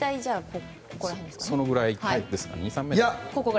このぐらいですかね。